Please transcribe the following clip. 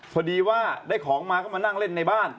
พอดีว่าได้ของมาก็มานั่งเล่นในบ้าน